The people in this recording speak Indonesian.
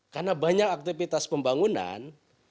karena banyak aktivitas pembangunan